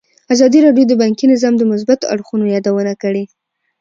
ازادي راډیو د بانکي نظام د مثبتو اړخونو یادونه کړې.